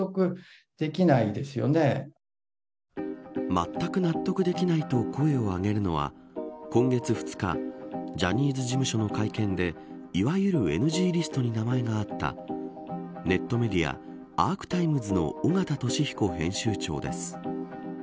まったく納得できないと声を上げるのは今月２日ジャニーズ事務所の会見でいわゆるＮＧリストに名前があったネットメディアアークタイムズの尾形聡彦編集長です。